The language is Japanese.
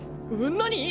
何！？